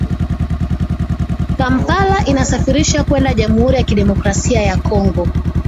Kampala inasafirisha kwenda jamhuri ya kidemokrasia ya Kongo